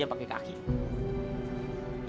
jangan jangan sakit